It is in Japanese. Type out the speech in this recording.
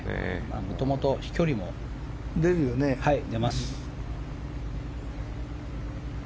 もともと飛距離も出ます。